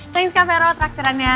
thanks kak vero traktirannya